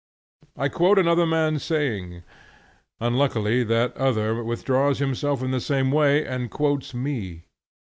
I quote another man's saying; unluckily that other withdraws himself in the same way, and quotes me.